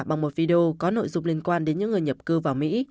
bằng một video có nội dung liên quan đến những người nhập cư vào mỹ